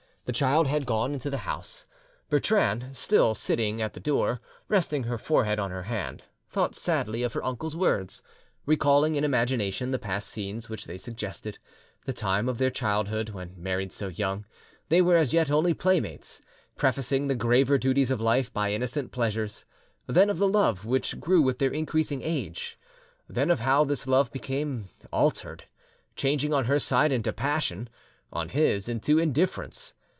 The child had gone into the house. Bertrande, still sitting at the door, resting her forehead on her hand, thought sadly of her uncle's words; recalling in imagination the past scenes which they suggested, the time of their childhood, when, married so young, they were as yet only playmates, prefacing the graver duties of life by innocent pleasures; then of the love which grew with their increasing age; then of how this love became altered, changing on her side into passion, on his into indifference.